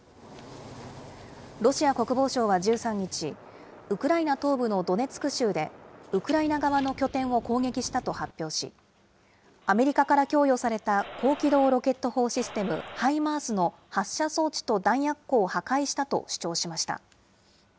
ロシア国防省は１３日、ウクライナ東部のドネツク州でウクライナ側の拠点を攻撃したと発表し、アメリカから供与された、高機動ロケット砲システム・ハイマースの発射装置と弾薬庫を破壊したと主張しました。